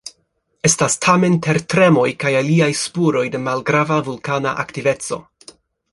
Estas tamen tertremoj kaj aliaj spuroj de malgrava vulkana aktiveco.